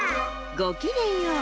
ごきげんよう。